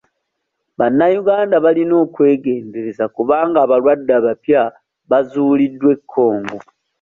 Bannayuganda balina okwegendereza kubanga abalwadde abapya bazuuliddwa e Congo